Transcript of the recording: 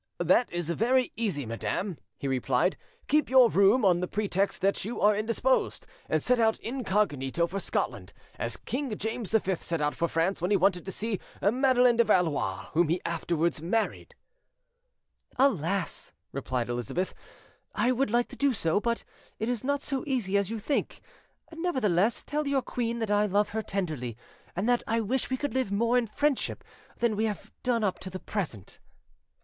"That is very easy, madam," he replied: "keep your room, on the pretext that you are indisposed, and set out incognito for Scotland, as King James V set out for France when he wanted to see Madeleine de Valois, whom he afterwards married." "Alas!" replied Elizabeth, "I would like to do so, but it is not so easy as you think. Nevertheless, tell your queen that I love her tenderly, and that I wish we could live more in friendship than we have done up to the present".